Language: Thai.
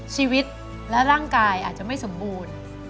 ชีวิตและร่างกายอาจจะไม่สมบูรณ์